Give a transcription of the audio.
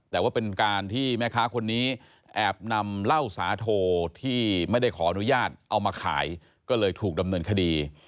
แต่ว่าเป็นการที่แม่ค้าคนนี้แอบนำเหล้าสาโทที่ไม่ได้ขออนุญาตเอามาขายก็เลยถูกดำเนินคดี